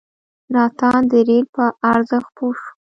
ناتان د رېل په ارزښت پوه شو.